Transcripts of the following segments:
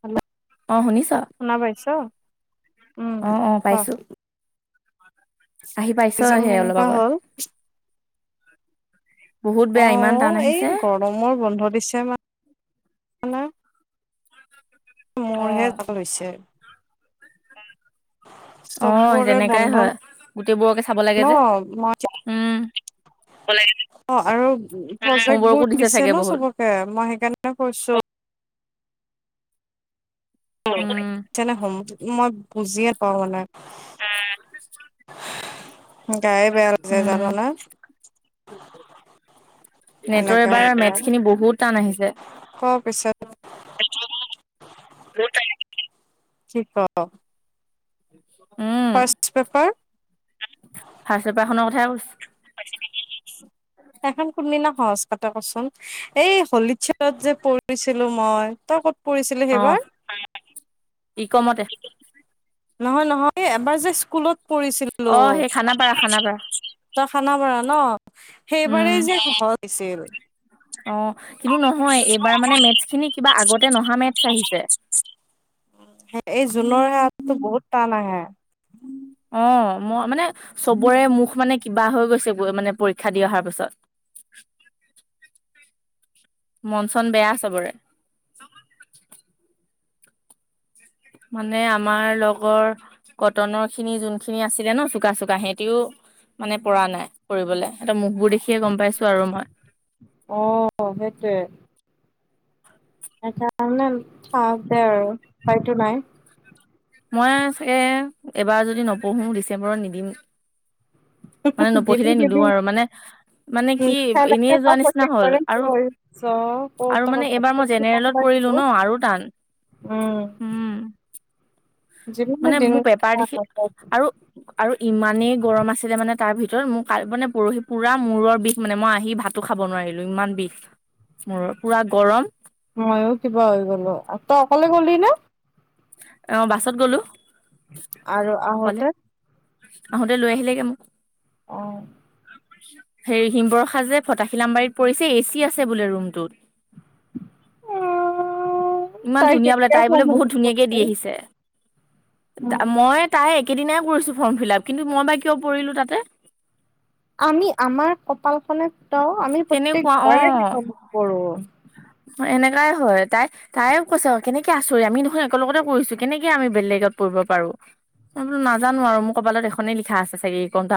Hello, অ শুনিছ শুনা পাইছ? উম, অ অ ক পাইছো আহি এজাম পাইছহে অলপ কেনেকুৱা আগত হ'ল? বহুত বেয়া ইমান টান অ', এই আহিছে গৰমৰ বন্ধ দিছে মা অ মোৰহে ভাল হৈছে। অ', চবৰে তেনেকাই বন্ধ হয়, গোটেইবোৰকে চাব ন লাগে যে মই উম আৰু প্ৰজেক্ট বোৰ দিছে হোমৱৰ্কো দিছে ন চাগে বহুত চবকে, মই সেইকাৰণে কৈছোঁ উম তেনে হ, মই বুজিয়ে পাৱা নাই। [unintelligible] গায়ে বেয়া লাগছে উম জানা না নেটৰ এবাৰ মেথছ খিনি বহুত টান আহিছে শ কা [unintelligible] উম ফাৰ্ষ পেফাৰ ফাৰ্ষ্ট পেপাৰ খনৰ কথাই কৈছো এখন কুৰ্মিনা সহজ কথা কচোন এই হলিত চেলত যে পঢ়ছিলো মই তই ক পৰিছিলো সেইবাৰ। ই কমতে। নহয় - নহয় এবাৰ যে স্কুলত পঢ়িছিলো অ সেই খানাপাৰা খানাপাৰা ত খানাপাৰা ন উম সেইবাৰেই যে সহৰ হৈছিল। অ, কিন্তু নহয় এইবাৰ মানে মেথছ খিনি কিবা আগতে নহা মেথছ আহিছে। এই জুনৰ হাতটো বহুত টান আহে। অ, ম মানে চবৰে মুখ মানে কিবা হৈ গৈছে। মানে পৰীক্ষা দি অহাৰ পিছত। মন চন বেয়া চবৰে। মানে আমাৰ লগৰ কটনৰ খিনি যোনখিনি আছিলে ন চোকা - চোকা সিহতিও মানে পৰা নাই কৰিবলৈ। এটা মুখবোৰ দেখিয়ে গম পাইছো আৰু মই অ সেইটোৱে সেইকাৰণে চাহ দে আৰু উপায়তটো নাই। মই চাগে এবাৰ যদি নপঢ়ো ডিচেম্বৰত নিদিম। মানে দিবি নপঢ়িলে দিবি নিদিও আৰু মানে মানে উম কি সেনেকে এনেই যোৱা তই নিচিনা হ'ল প্ৰত্যেকবাৰে আৰু। কৰিছ আৰু কওঁতে মানে এইবাৰ মই জেনেৰেলত পৰিলো ন আৰু টান। উম, উম যিমানে মানে দিন মোৰ পেপাৰ দেখি আৰু আৰু ইমানেই গৰম আছিলে মানে। তাৰ ভিতৰত মোৰ কাল মানে পৰহি পুৰা মূৰৰ বিষ মানে মই আহি ভাতো খাব নোৱাৰিলো ইমান বিষ। মোৰ পুৰা গৰম ময়ো কিবা হৈ গ'লো তই অকলে গ'লি ন আহ বাছত গ'লো। আৰু অকলে আহতে আহোতে লৈ আহিলেগে মোক। অ হেৰি হিমবৰসাজ যেে ফটাখিলাম বাৰীত পৰিছে এচি আছে বোলে ৰুমটোত। ইমান তাই ধুনীয়া বোলে কেতিয়া তাই বোলে ফোন বহুত। ধুনীয়াকে দি কৰিছিল? আহিছে মই তাই কেইদিনাই কৰিছো ফৰ্ম ফিল আাপ কিন্তু মই বা কিয় পৰিলো তাতে আমি আমাৰ কপালখনে ত, আমি তেনেকুৱা অ প্ৰত্যেকবাৰে কৰো। এনেকাই হয় তাই - তাইও কৈছ কেনেকে আচৰি আমি দেখোন একেলগতে কৰিছো কেনেকে আমি বেলেগত কৰিবব পাৰো মই বোলো নাজানো আৰু মোৰ কবালত এখনেই লিখা আছে চাগে কটা।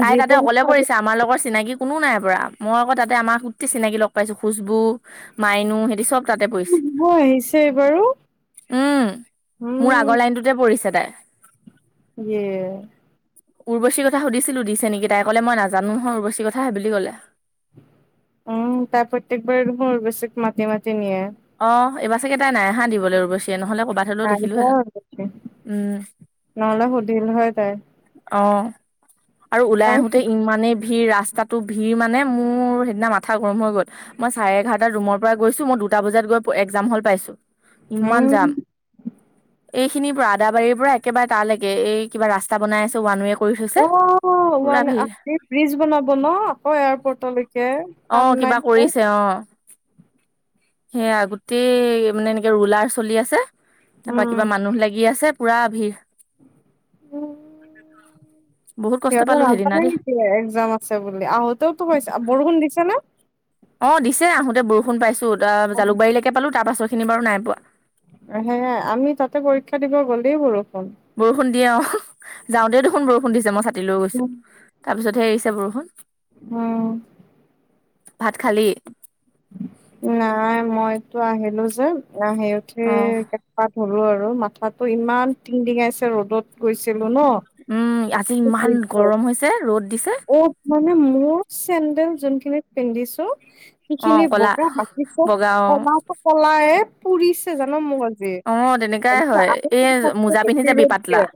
তাই যি তাতে অকলে পৰীক্ষা পৰিছে আমাৰ লগৰ চিনাকি কোনো নাই পৰা মই আকৌ তাতে আমাৰ সোটেই চিনাকি লগ পাইছো খুচবু মাইনু সিহতি চব তাতে পৰিছে আহিছে এইবাৰো উম, মোৰ উম আগৰ লাইনটোতে পৰিছে তাই এ উৰ্বশিৰ কথা সুধিছিলো দিছে নেকি তাই কলে মই নাজানোহয় উৰ্বচি কথাাহে বুলি কলে। উম, তাৰ প্ৰত্যেকবাৰ মোৰ বেছ মাটি - মাটি নিয়ে। অ এইবাৰ চাগে তাই নাই হা দিবলৈ ৰবৈ চিয়ে নহ'লে ক'ৰবাত ন হ'লেও গ দেখিলোহেঁতেন উম নহ'লে স দিল হয় তাই অ, আৰু ওলাই তাই আহোতে ইমানেই ভিৰ ৰাস্তাটো ভিৰ মানে মোৰ সেইদিনা মাথা গৰম হৈ গ'ল মই চাৰে এঘাৰটা ৰুমৰ পৰা গৈছো। মই দুটা বজাত গৈ এক্জাম হল পাইছো। ইমান উম যাম এইখিনিৰ পৰা আদাবাৰীৰ পৰা একেবাৰে তালৈকে এই কিবা ৰাস্তা বাই আছোওৱক অ, ব্ৰিজ বনাব ন আকৌ এয়াৰপৰ্টলৈকে কাম নাই। কিবা এতিয়া কৰিছে অ'। সেইয়া, গোটেই মানে এনেকে ৰুলাৰ চলি আছে। তাৰপা উম কিবা মানুহ লাগি আছে পুৰা ভিৰ। বহ সিহঁতৰ নাজানে নেকি একজাম আছে বুলি? আহোঁতেওতো হৈছে, বৰষুণ দিছে নে? অ' দিছে, আহোতে বৰষুণ পাইছোঁ। জালুকবাৰীলৈকে পালো, তাৰ পাছৰ খিনি বাৰু নাই পোৱা। সেয়াই, আমি তাতে পৰীক্ষা দিব গ'লেই বৰ বৰষুণ দিয়ে অ'। যাওঁতে দেখোন বৰষুণ দিছে, মই ছাতি লৈ গৈছো। তাৰপিছত, সে এৰিছে বৰষুণ। হ ভাত খালি? নাই মইতো আহিলো যে আহি উঠি অ গা পা ধোলো আৰু মাথাটো ইমান টিংটিঙাইছে ৰ'দত গৈছে উম আজি ইমান গৰম হৈছে ৰ'দ দিছে। অ মানে মোৰ চেন্দেল যোনখিনিত পিন্ধিছো অ সিখিনি কলা বগা বাকী চব বগা অ কলাটো কলায়ে পুৰিছে জানো মোক আজি অ তেনেকাই হয় এই মোজা পিন্ধি যাবি যে পাতলা [unintelligible]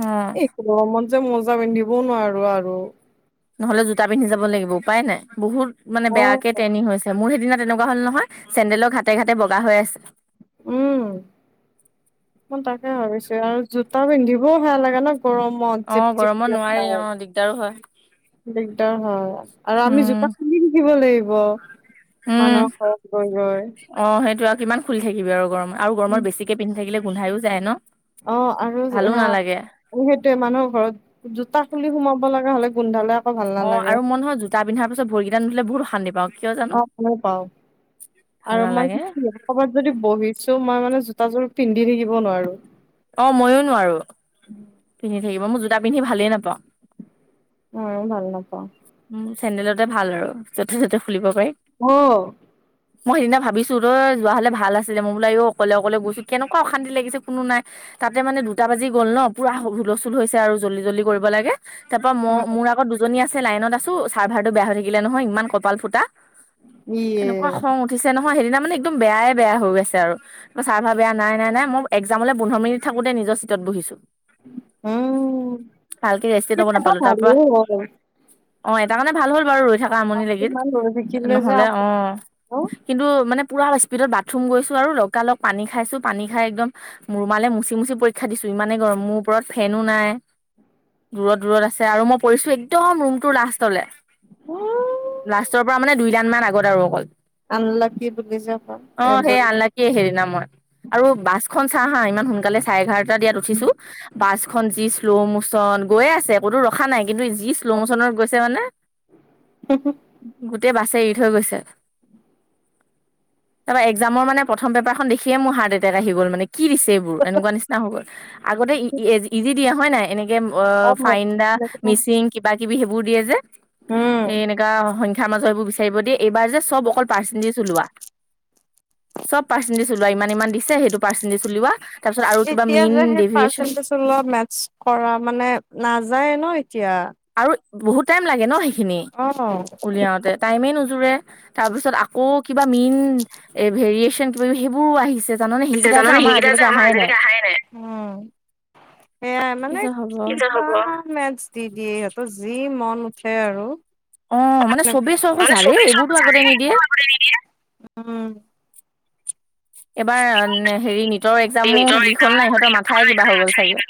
অ এইটো গৰমত যে মোজা পিন্ধিবও নোৱাৰো আৰু। নহলে জোতা পিন্ধি যাব লাগিব উপায় নাই বহুত মানে অ বেয়াকে ট্ৰেইনিং হৈছে মোৰ সেইদিনা তেনেকুৱা হ'ল নহয় চেন্দেলৰ ঘাটে ঘাটে বগা হৈ আছে। উম, মই তাকে ভাবিছে আৰু জোতা পিন্ধিবও সেয়া লাগে ন। গৰমত অ গৰমত জেপজেপিয়া নোৱাৰি হয় অ দিগদাৰো হয় দিগদাৰ হয়। আৰু আমি উম জোতা পিন্ধি থাকিব লাগিব উম মানুহৰ ঘৰত গৈ গৈ। অ সেইটো আৰু কিমান খুলি থাকিবি আৰু গৰমত আৰু গৰমত বেছিকৈ পিন্ধি থাকিলে গোন্ধায়ো যায় ন। অ আৰু ভালো সেয়া নালাগে সেইটোৱে মানুহৰ ঘৰত জোতা খুলি সোমাব লগা হ'লে গোন্ধালাক অ আৰু মই নহয় জোতা পিন্ধাৰ পিছত ভৰিকেইটা নুধোলে বহুত অশান্তি পাওঁ কিয় জানো। অ মই পাও ভাল আৰু মই নালাগে কি কবাত যদি বহিছো মই মানে জোতা জোৰ পিন্ধি থাকিব নোৱাৰো। অ ময়ো নোৱাৰো পিন্ধি থাকিব মোৰ জোতা পিন্ধি ভালেই নাপাওঁ। ময়ো ভাল নাপাওঁ। চেণ্ডেলতে ভাল আৰু যতে যতে অ', মই সেইদিনা ভাবিছো তই যোৱা হলে ভাল আছিলে মই বোলাই এই অকলে অকলে গৈছো কেনেকুৱা অশান্তি লাগিছে কোনো নাই। তাতে মানে দুটা বাজি গ'ল ন। পুৰা হুলস্থুল হৈছে আৰু জল্দিজল্দি কৰিব লাগে তাৰ পৰা মই মোৰ আগত দুজনী আছে। লাইনত আছো চাৰ্ভাৰটো বেয়া হৈ থাকিলে নহয় ইমান কপাল ফুটা। ইয়ে এনেকুৱা খং উঠিছে নহয় সেইদিনা। মানে একদম বেয়াই বেয়া হৈ গৈছে আৰু চাৰ্ভাৰ নাই নাই এক্সামলে পোন্ধৰ মিনিত থাকোতে নিজৰ চিটত। বহিছো উম ভালকে ৰেষ্টে লৱ কিন্তু এটা নাপালো তাৰ ভালো পৰা। হ'ল অ এটা কাৰণে ভাল হ'ল বাৰু ৰৈ থকা আমনি লাগিল ইমান হৈ থাকিলে যে নহলে অ আমাৰ অ কিন্তু মানে। পূৰা স্পীডত বাথৰুম গৈছোঁ আৰু লগা লগ পানী খাইছোঁ পানী খাই একদম ৰুমালে মুচি মুচি পৰীক্ষা দিছোঁ। ইমানে গৰম মোৰ ওপৰত ফেনো নাই। [unintelligible] দূৰত দূৰত আছে আৰু মই পৰিছো একদম ৰুমটোৰ লাষ্টলে। লাষ্টৰ পৰা মানে দুইদান মান আগত আৰু অকল। আনলাকি বুলি যে কয় অ এইবোৰ সেই আনলাকি সেইদিনা মই আৰু বাছখন। হা হা ইমান সোনকালে চাৰে এঘাৰটা দিয়াত উঠিছো। বাছখন যি শ্ল' মোচন গৈয়ে আছে কতো ৰখা নাই। কিন্তু যি শ্ল' মচনত গৈছে মানে গোটেই বাছে এৰি থৈ গৈছে। তাৰপা এক্সজামৰ মানে প্ৰথম পেপাৰখন দেখিয়ে মোৰ হাৰ্ট এটেক আহি গ'ল মানে। কি দিছে এইবোৰ এনেকুৱা নিচিনা হৈ গল আগতে ই ইজি দিয়া হয় নাই এনেে এ অ ফাইন দা মিচিং এনেকুৱা কিবাকিবি হেবোৰ দিয়ে যে উম এনেকুৱা সংখ্যা সংখ্যাৰৰ মাজত হেবোৰ বিচাৰিব দিয়ে এইবাৰ যে চব অকল পাৰ্চেনটেজ ওলোৱা চব পাৰ্চেন্টেজ ওলোৱা ইমান ইমান দিছে সেইটো পাৰ্চেন্টেজ উলিওৱা তাৰপিছত আৰু কিবা মীন দে পাৰ্চেটেনজৰ লগত মেচ কৰা মানে নাযায় ন এতিয়া আৰু বহুত টাইম লাগে ন সেইখিনি অ'। উলিয়াওতে টাইমে নো নোজোৰে আকৌ কিবা মিন ভেৰিয়েচন কিবাকিবি হেবো আহিছে পিছে জন সেইকেইটা যে আমাৰ আজিলৈকে অহাই নাই সে কি মানে যে হ'ব মেটচ দি দিয়ে ত যি মন উঠে আৰু অ মানে চবেই চখ হৈছে আৰে এইবোৰতো আগতে নিদিয়ে [unintelligible] [inaudible] এইবাৰ হেৰি নিটৰ একজামো নিজৰ লিক একদম হ'ল নহয় ইহঁতৰ মাথায় কিবা হৈ গ'ল চাগে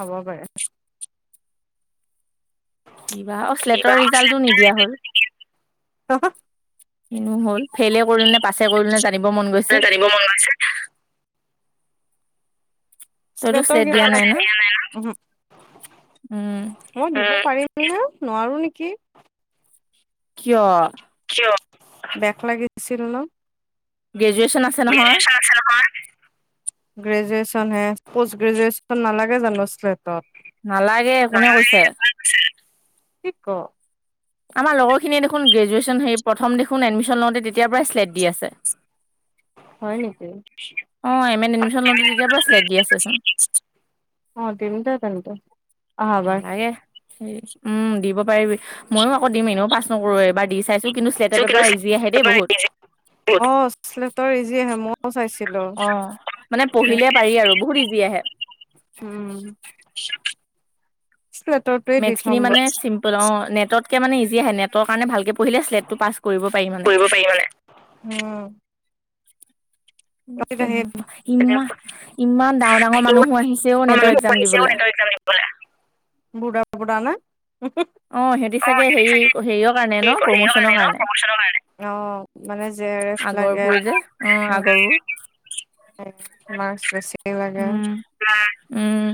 হব পাৰ কিবা অ' চ্লেটৰ কিবা ৰিজাল্টটো নিদিয়া হল কিনো হল ফেইলে কৰিলো নে পাছে কৰিলো নে জানিব মন গৈছে জানিব মন গৈছে। তইতো শ্লেট দিয়া নাই ন উম [unintelligible] নোৱাৰো নেকি কিয় কিয়? বেক লাগিছিল ন গ্ৰেজুৱেচন আছে নহয় গ্ৰেজুচন আছে নহয় প'ষ্ট গ্ৰেজুৱেচন নালাগে জানো চ্লেটত নালাগে কোনে কৈছে কি ক আমাৰ লগৰখিনিয়ে দেখোন গ্ৰেজুৱেশ্যন হেৰি প্ৰথম দেখোন এডমিশ্যন লওঁতে তেতিাৰ পৰাই শ্লেড দি আছে হয় নেকি অ' ইমান এডমিশন লতে তেতিয়াৰ পৰা চ্লেট দি আছেচোন অ দিম দে তেন্তে আহাবাৰ নালাগে হে উম দিব মইয়ো আকৌ দিম এনেও পাছ নকৰো এবাৰ দি চাইছো কিন্তু্ চেলটৰ পেপাৰ ইজি আহে দেই বহুত অ শ্লেটৰ ইজি আহে মইও চাইছিলো অ মানে পঢ়িলে পাৰি আৰু বহুত ইজি আহে আহে উম শ্লেটৰটোৱে দি মেটচ থম খিনি মানে বাৰু চিম্পুল অ' নেটতকে মানে ইজি আহে নেটৰ কাৰণে ভালকে পঢ়িলে শ্লেটটো পাছ কৰিব পাৰি মানে কৰিব পাৰি মানে উম কালিত আহি তেনেকুৱা ইমান ইমান ডাঙৰ ডাঙৰ মানুহ আহি [unintelligible] অ' অ' মানে জে অ সিহঁতি চাগে হেৰি হেৰিয়ৰ কাৰণে ন প্ৰমোচনৰ কাৰণে আৰ আগৰবোৰ যে এফ [unintelligible] অ আগৰবোৰ মাৰ্কচ বেছিকে লাগে উম উম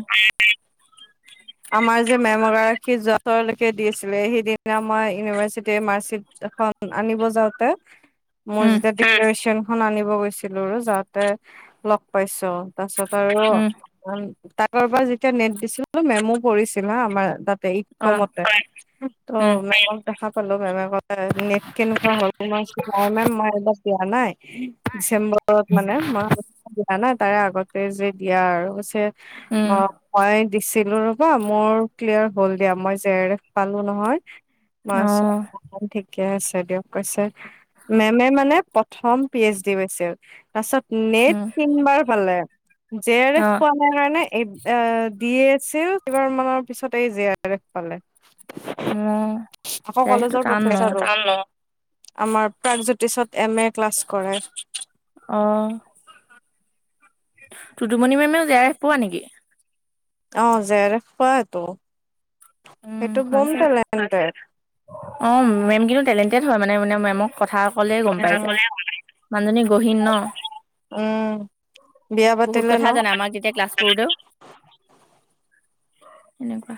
আমাৰ যে মেম এগৰাকী যোৱা বছৰলৈকে দিছিলে সিদিনা মই ইউনিভাৰ্চিটিৰ মাৰ্কিট এখন আনিব যাওঁতে মোৰ উম যেতিয়া ডিপ্ৰেচন খন আনিব গৈছিলো যাওতে লগ পাইছো তাৰছত আৰু উম তাকৰব যেতিয়া নেট দিছিলো মেমো পৰিছিল হা আমাৰ ইত অ কমতে ত উম মেমক দেখা পালো মেমে নেট কেনেকুৱা হল ম বোলো মেম ম এবাৰ দিয়া নাই ডিচেম্বৰত মানে ম দিয়া নাই তাৰে আগতে যে দিয়া আৰু ম উম মই দিছিলো মোৰ ক্লিয়াৰ হ'ল দিয়া মই জে আৰ এফ পালো নহয় ম অ ঠিকে আছে দিয়ক কৈছে মেমে মানে প্ৰথম পি এইচ ডি গৈছিল তাৰছ নেট উম তিনবাৰ পালে জে আৰ অ এফ পোৱা কাৰণে ডি এছ চিল কেইবাৰ মানৰ পিছতে জীয়েৰেখ পালে মোৰ আকৌ জে আৰ এফটো কলেজৰ টান ন প্ৰেচাৰটো আমাৰ প্ৰাগজ্যোতিষত এম এ ক্লাছ কৰাই তুদুমণি মেমেও জেয়াইপ পোৱা নেকি অ জেৰেখ পোট উম হয় চাগে অ মেম কিন্তু টেলেন্টেড হয় মানে মানে মেমক কথা কলেই গম পাই উম যায় মানুহজনী গহীন ন উম বিয়া বহুত পাতিলে কথা ন। জানা আমাক যেতিয়া ক্লাছ কৰোতেও এনেকুৱা